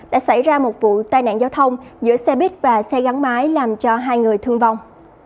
đã xảy ra một vụ tai nạn giao thông giữa xe buýt và xe gắn máy làm cho hai người thương vong